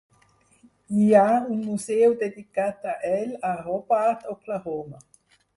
Hi ha un museu dedicat a ell a Hobart, Oklahoma.